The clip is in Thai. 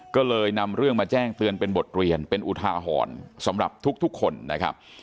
ก็เลยนำเรื่องมาแจ้งเตือนเป็นบทเรียนเป็นอุทาหรณ์สำหรับทุกคนนะครับ